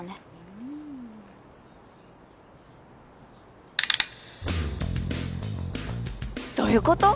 うんどういうこと？